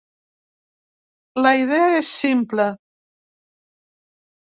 La idea és simple.